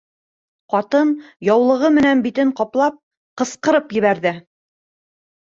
- Ҡатын, яулығы менән битен ҡаплап, ҡысҡырып ебәрҙе.